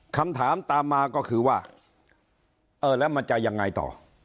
คำถามตามมาก็คือว่าเออแล้วมันจะยังไงต่อ